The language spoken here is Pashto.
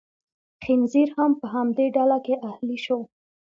خنزیر هم په همدې ډله کې اهلي شو.